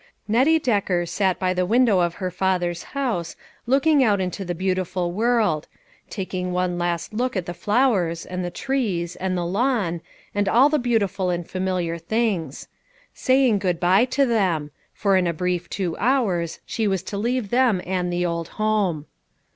"XTETTIE DECKER sat by the window of her father's house, looking out into the beautiful world; taking one last look at the flowers, and the trees, and the lawn, and all the beautiful and familiar things. Saying good by to them, for in a brief two hours she was to leave them, and the old home.